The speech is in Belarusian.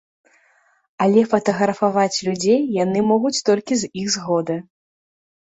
Але фатаграфаваць людзей яны могуць толькі з іх згоды.